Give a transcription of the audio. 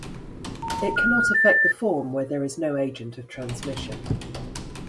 It cannot affect the form where there is no agent of transmission.